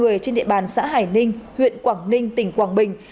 người trên địa bàn xã hải ninh huyện quảng ninh tỉnh quảng bình